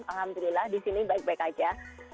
alhamdulillah di sini baik baik aja